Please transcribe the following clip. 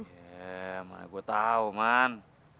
iya mana gue tau man